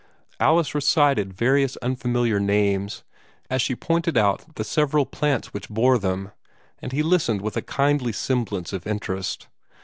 Alice recited various unfamiliar names, as she pointed out the several plants which bore them, and he listened with a kindly semblance of interest.